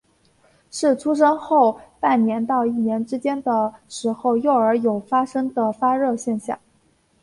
是出生后半年到一年之间的时候幼儿有发生的发热现象。